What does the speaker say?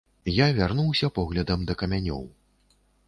Я вярнуўся поглядам да камянёў.